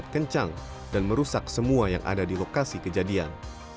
kencang dan merusak semua yang ada di lokasi kejadian